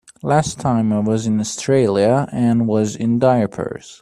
Last time I was in Australia Anne was in diapers.